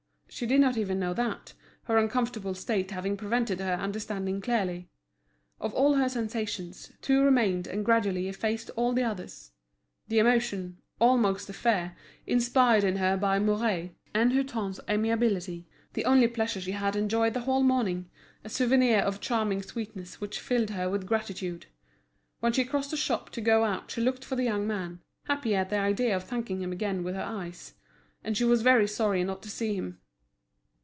She did not even know that, her uncomfortable state having prevented her understanding clearly. Of all her sensations, two remained and gradually effaced all the others—the emotion, almost the fear, inspired in her by Mouret, and Hutin's amiability, the only pleasure she had enjoyed the whole morning, a souvenir of charming sweetness which filled her with gratitude. When she crossed the shop to go out she looked for the young man, happy at the idea of thanking him again with her eyes; and she was very sorry not to see him.